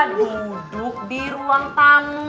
duduk di ruang tamu